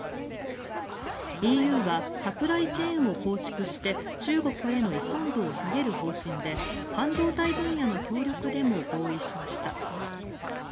ＥＵはサプライチェーンを構築して中国への依存度を下げる方針で半導体分野の協力でも合意しました。